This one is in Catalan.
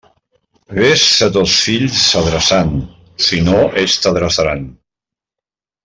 Vés a tos fills adreçant, si no, ells t'adreçaran.